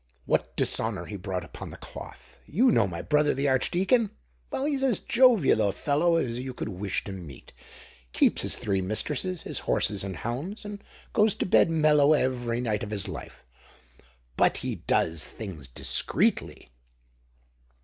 "What dishonour he brought upon the cloth! You know my brother the Archdeacon? Well, he's as jovial a fellow as you could wish to meet. Keeps his three mistresses, his horses and hounds, and goes to bed mellow every night of his life. But he does things discreetly."